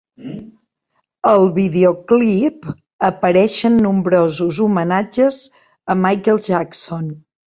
Al videoclip apareixen nombrosos homenatges a Michael Jackson.